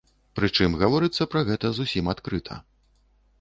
Прычым гаворыцца пра гэта зусім адкрыта.